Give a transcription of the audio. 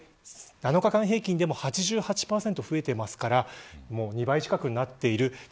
７日間平均でも８８％増えているので２倍近くになっています。